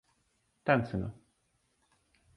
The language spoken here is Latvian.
Tencinu.